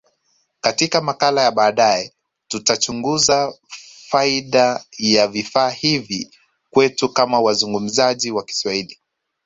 Katika makala ya baadaye, tutachunguza faida ya vifaa hivi kwetu kama wazungumzaji wa Kiswahili.